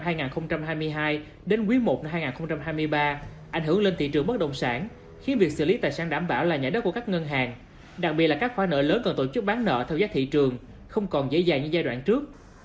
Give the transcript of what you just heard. lãi suất cho vai tăng nhanh từ cuối năm hai nghìn hai mươi hai đến quý i năm hai nghìn hai mươi ba ảnh hưởng lên thị trường bất đồng sản khiến việc xử lý tài sản đảm bảo là nhảy đất của các ngân hàng đặc biệt là các khóa nợ lớn cần tổ chức bán nợ theo giác thị trường không còn dễ dàng như giai đoạn trước